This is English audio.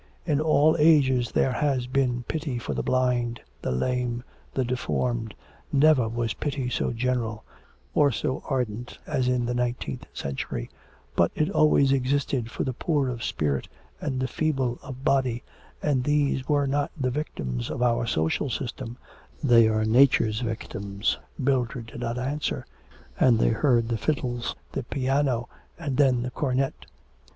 In all ages there has been pity for the blind, the lame, the deformed, never was pity so general, or so ardent as in the nineteenth century, but it always existed for the poor of spirit and the feeble of body, and these are not the victims of our social system; they are nature's victims.' Mildred did not answer, and they heard the fiddles, the piano, and then the cornet.